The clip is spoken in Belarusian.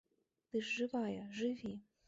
Ты ж жывая, жыві!